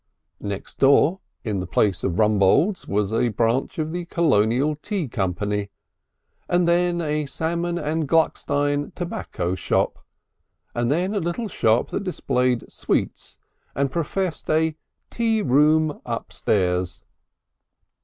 Next door in the place of Rumbold's was a branch of the Colonial Tea Company, and then a Salmon and Gluckstein Tobacco Shop, and then a little shop that displayed sweets and professed a "Tea Room Upstairs."